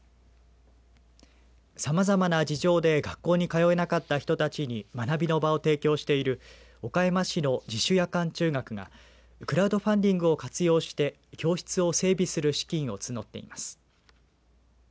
さまざまな事情で学校に通えなかった人たちに学びの場を提供している岡山市の自主夜間中学がクラウドファンディングを活用して教室を整備する資金を募っています。